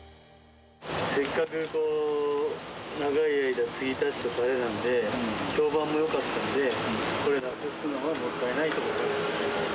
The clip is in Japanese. せっかく長い間つぎ足したたれなんで、評判もよかったんで、これなくすのはもったいないと思いましたね。